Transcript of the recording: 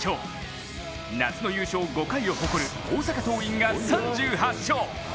夏の優勝５回を誇る大阪桐蔭が３８勝。